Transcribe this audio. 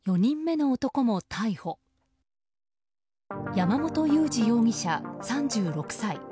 山本裕司容疑者、３６歳。